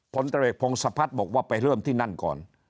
ผลตรวจพงศพัฒน์บอกว่าไปเริ่มที่นั่นก่อน